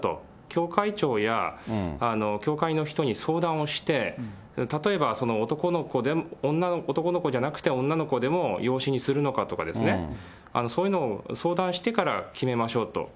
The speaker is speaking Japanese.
教会長や教会の人に相談をして、例えば男の子じゃなくて女の子でも養子にするのかとかですね、そういうのを相談してから決めましょうと。